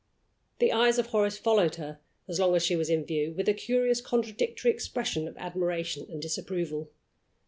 The eyes of Horace followed her, as long as she was in view, with a curious contradictory expression of admiration and disapproval.